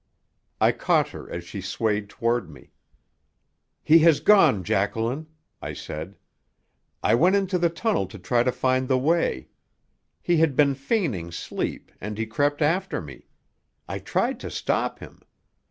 I caught her as she swayed toward me. "He has gone, Jacqueline," I said. "I went into the tunnel to try to find the way. He had been feigning sleep, and he crept after me. I tried to stop him.